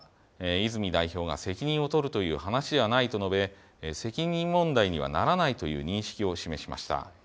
泉代表が責任を取るという話ではないと述べ、責任問題にはならないという認識を示しました。